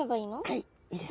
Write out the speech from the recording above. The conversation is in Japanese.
はい。